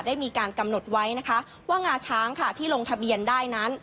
ได้มีการกำหนดไว้นะคะว่างาช้างค่ะที่ลงทะเบียนได้นั้น